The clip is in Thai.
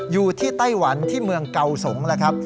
อยู่ที่ไต้หวันที่เมืองเกาสงครับ